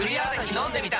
飲んでみた！